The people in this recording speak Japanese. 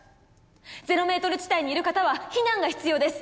ゼロメートル地帯にいる方は避難が必要です。